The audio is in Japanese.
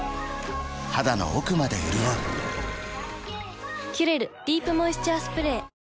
肌の奥まで潤う「キュレルディープモイスチャースプレー」